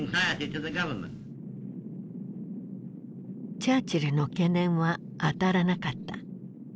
チャーチルの懸念は当たらなかった。